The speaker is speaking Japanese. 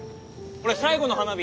これ最後の花火。